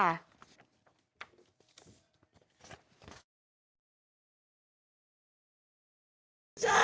อันนี้ค่ะ